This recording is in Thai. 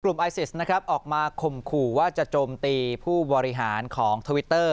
ไอซิสนะครับออกมาข่มขู่ว่าจะโจมตีผู้บริหารของทวิตเตอร์